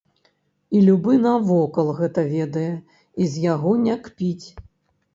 І любы навокал гэта ведае і з яго не кпіць.